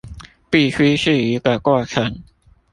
必須是一個過程